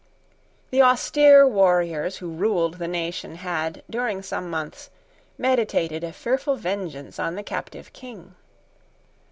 The austere warriors who ruled the nation had, during some months, meditated a fearful vengeance on the captive King.